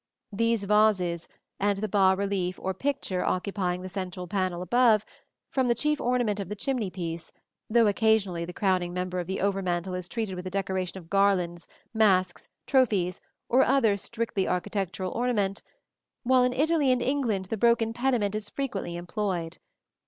These vases, and the bas relief or picture occupying the central panel above, form the chief ornament of the chimney piece, though occasionally the crowning member of the over mantel is treated with a decoration of garlands, masks, trophies or other strictly architectural ornament, while in Italy and England the broken pediment is frequently employed.